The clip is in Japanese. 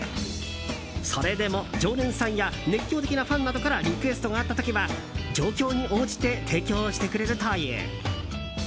それでも常連さんや熱狂的なファンなどからリクエストがあった時は状況に応じて提供してくれるという。